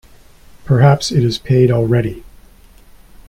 Perhaps it is paid already.